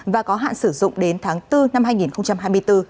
và có hạn sử dụng đến tháng bốn năm hai nghìn hai mươi bốn